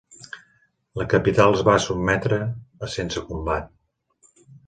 La capital es va sotmetre sense combat.